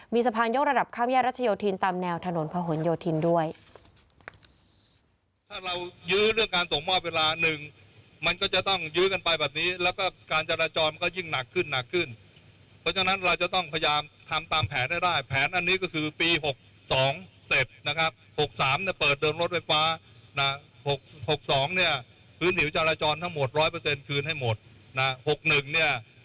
มีสะพานยกระดับข้ามแยกรัชโยธินตามแนวถนนพะหนโยธินด้วย